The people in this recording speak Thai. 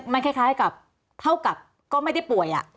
มันคล้ายกับเท่ากับก็ไม่ได้ป่วย